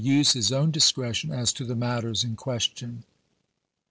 use his own discretion as to the matters in ques tion.